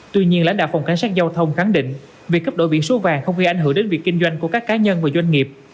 tuy nhiên lãnh đạo phòng cảnh sát giao thông khẳng định việc cấp đổi biển số vàng không gây ảnh hưởng đến việc kinh doanh của các cá nhân và doanh nghiệp